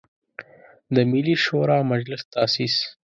د ملي شوری مجلس تاسیس.